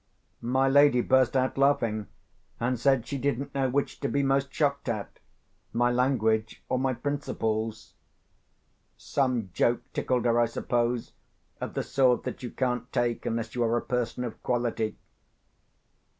My lady burst out laughing, and said she didn't know which to be most shocked at—my language or my principles. Some joke tickled her, I suppose, of the sort that you can't take unless you are a person of quality.